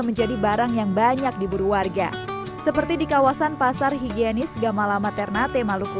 menjadi barang yang banyak di buru warga seperti di kawasan pasar higienis gamala maternate maluku